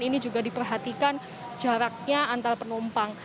ini juga diperhatikan jaraknya antar penumpang